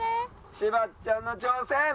柴っちゃんの挑戦。